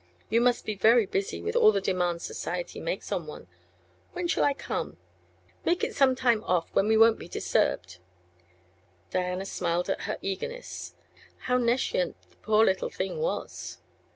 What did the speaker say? You must be very busy, with all the demands society makes on one. When shall I come? Make it some off time, when we won't be disturbed." Diana smiled at her eagerness. How nescient the poor little thing was!